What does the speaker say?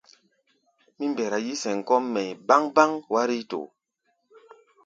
Mí mbɛra yí-sɛm kɔ́ʼm mɛʼi̧ báŋ-báŋ wár yíítoó.